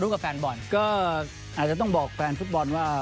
ก็อาจจะต้องบอกแฟนฟุตบอลว่า